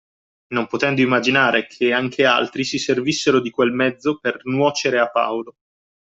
Non potendo immaginare che anche altri si servissero di quel mezzo per nuocere a Paolo